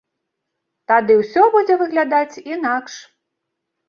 Тады ўсё будзе выглядаць інакш.